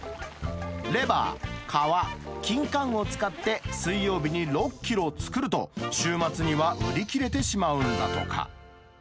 レバー、皮、きんかんを使って、水曜日に６キロ作ると、週末には売り切れてしまうんだとか。